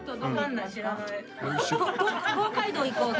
東海道行こうって。